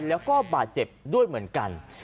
แล้วก็บาดเจ็บด้วยเหมือนกัน